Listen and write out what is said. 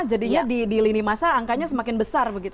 jadinya di lini masa angkanya semakin besar begitu